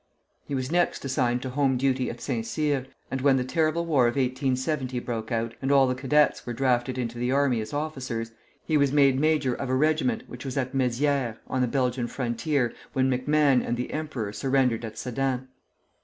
He was next assigned to home duty at Saint Cyr; and when the terrible war of 1870 broke out, and all the cadets were drafted into the army as officers, he was made major of a regiment, which was at Mézières, on the Belgian frontier, when MacMahon and the emperor surrendered at Sedan.